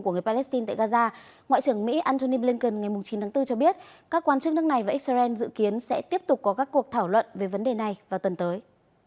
ngoại trưởng mỹ antony blinken ngày chín tháng bốn cho biết các quan chức nước này và israel dự kiến sẽ tiếp tục có các cuộc thảo luận về vấn đề này vào tuần tới